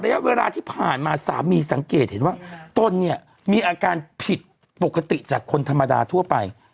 ระยะเวลาที่ผ่านมาสามีสังเกตเห็นว่าตนเนี่ยมีอาการผิดปกติจากคนธรรมดาทั่วไป